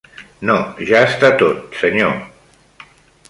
No, ja està tot, senyor.